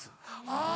あぁ。